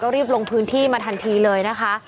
รีบลงพื้นที่มาทันทีเลยนะคะ